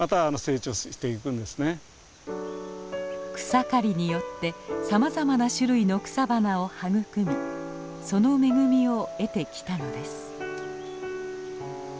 草刈りによってさまざまな種類の草花を育みその恵みを得てきたのです。